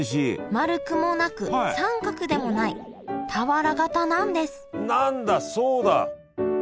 丸くもなく三角でもない俵型なんです何だそうだ。